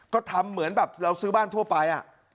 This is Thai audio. ก็ทำเหมือนแบบเราซื้อบ้านทั่วไป